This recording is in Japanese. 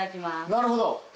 なるほど。